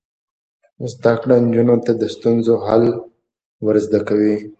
زده کړه نجونو ته د ستونزو حل کول ور زده کوي.